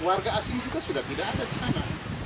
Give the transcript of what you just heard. warga asing juga sudah tidak ada di sana